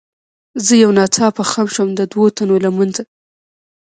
زه یو ناڅاپه خم شوم، د دوو تنو له منځه.